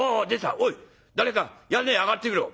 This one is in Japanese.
おい誰か屋根上がってみろ」。